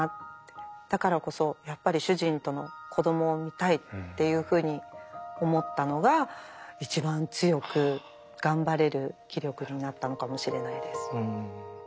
だからこそやっぱり主人との子どもを産みたいっていうふうに思ったのが一番強く頑張れる気力になったのかもしれないです。